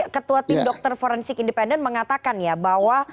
ketua tim dokter forensik independen mengatakan ya bahwa